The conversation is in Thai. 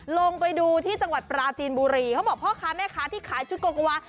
ลงไปดูที่จังหวัดปราจีนบุรีเขาบอกพ่อค้าแม่ค้าที่ขายชุดโกโกวา